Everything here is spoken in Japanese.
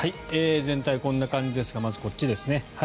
全体こんな感じですがまず、こっちですね。